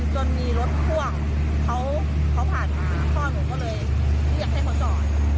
จนมีรถพ่วงเขาผ่านมาพ่อหนูก็เลยเรียกให้เขาจอด